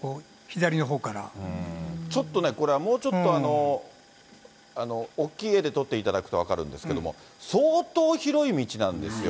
ちょっとね、これ、もうちょっと大きい画で撮っていただくと分かるんですけども、相当広い道なんですよ。